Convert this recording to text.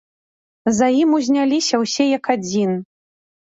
За ім узняліся ўсе як адзін.